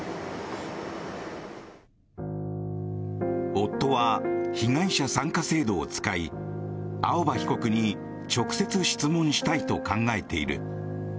夫は被害者参加制度を使い青葉被告に直接質問したいと考えている。